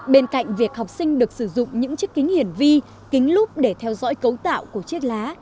bên cạnh việc học sinh được sử dụng những chiếc kính hiển vi kính lúp để theo dõi cấu tạo của chiếc lá